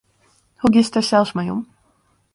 Hoe giest dêr sels mei om?